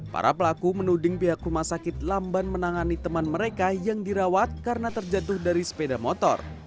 para pelaku menuding pihak rumah sakit lamban menangani teman mereka yang dirawat karena terjatuh dari sepeda motor